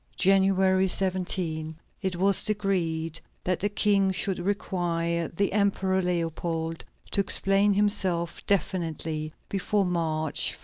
January 17, it was decreed that the King should require the Emperor Leopold to explain himself definitely before March 1.